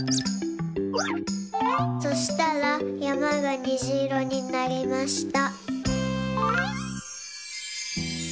そしたらやまがにじいろになりました。